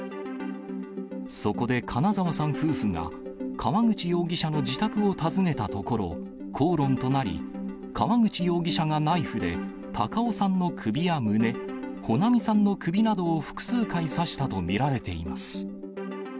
そこで金沢さん夫婦が川口容疑者の自宅を訪ねたところ、口論となり、川口容疑者がナイフで、孝雄さんの首や胸、穂奈美さんの首などを複数回刺したと見られています。